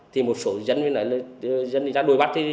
thì một số dân đi ra đuổi bắt